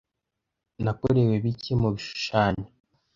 nakorewe bike mubishushanyo